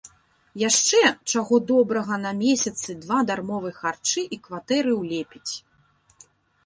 Яшчэ, чаго добрага, на месяцы два дармовай харчы і кватэры ўлепіць!